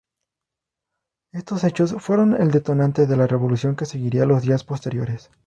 Estos hechos fueron el detonante de la Revolución que seguiría los días posteriores.